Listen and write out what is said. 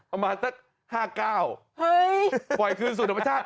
เอามาตะโกน๕เก้าเฮ้ยปล่อยคืนสู่ธรรมชาติ